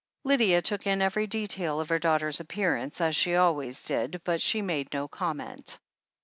Lydia took in every detail of her daughter's appear ance, as she always did, but she made no comment.